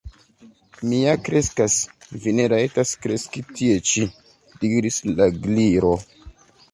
"Mi ja kreskas." "Vi ne rajtas kreski tie ĉi," diris la Gliro.